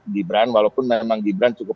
gibran walaupun memang gibran cukup